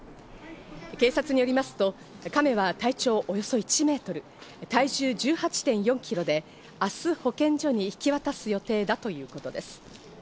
警察によりますとカメは体長およそ１メートル、体重１８．４ｋｇで、明日保健所に引き渡す予定だということです。